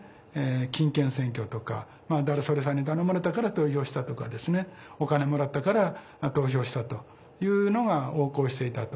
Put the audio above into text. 金権選挙とか誰それさんに頼まれたから投票したとかお金もらったから投票したというのが横行していたと。